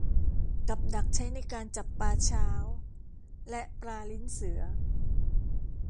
กับดักใช้ในการจับปลาเช้าและ ปลาลิ้นเสือ